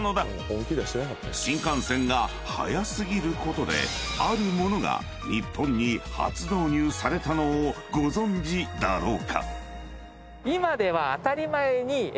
［新幹線が速過ぎることである物が日本に初導入されたのをご存じだろうか？］